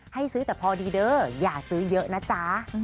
ให้ซื้อแต่พอดีเด้ออย่าซื้อเยอะนะจ๊ะ